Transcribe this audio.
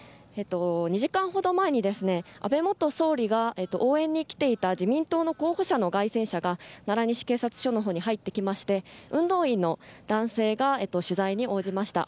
２時間ほど前に安倍元総理が応援に来ていた自民党の候補者の街宣車が奈良西警察署に入ってきまして運動員の男性が取材に応じました。